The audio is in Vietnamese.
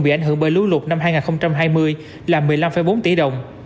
bị ảnh hưởng bởi lũ lụt năm hai nghìn hai mươi là một mươi năm bốn tỷ đồng